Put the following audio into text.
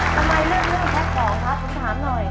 ทำไมเรื่องแพ็คของครับคุณถามหน่อย